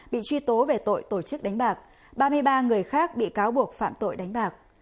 bị truy tố về tội tổ chức đánh bạc ba mươi ba người khác bị cáo buộc phạm tội đánh bạc